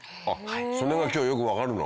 それが今日よく分かるの？